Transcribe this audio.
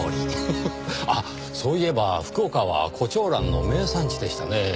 あっそういえば福岡は胡蝶蘭の名産地でしたねぇ。